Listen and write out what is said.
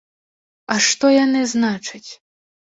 А што яны значаць?